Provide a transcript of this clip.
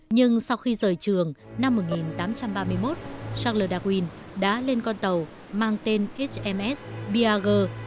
nhưng sau khi rời trường năm một nghìn tám trăm ba mươi một charles darwin đã lên con tàu mang tên hms biagor